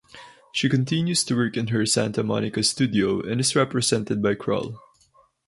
She continues to work in her Santa Monica studio and is represented by Krull.